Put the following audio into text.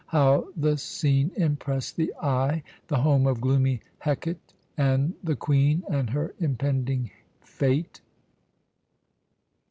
How the scene impressed the eye! The home of gloomy Hecate! And the Queen and her impending fate.